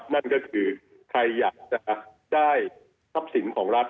นั่นก็คือใครอยากจะได้ทรัพย์สินของรัฐ